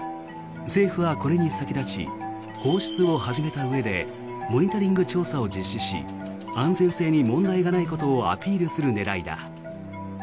政府はこれに先立ち放出を始めたうえでモニタリング調査を実施し安全性に問題がないことをアピールする狙いだ。